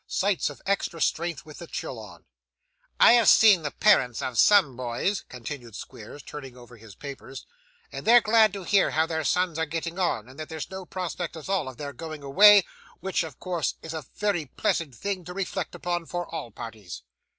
Sights of extra strength with the chill on. 'I have seen the parents of some boys,' continued Squeers, turning over his papers, 'and they're so glad to hear how their sons are getting on, that there's no prospect at all of their going away, which of course is a very pleasant thing to reflect upon, for all parties.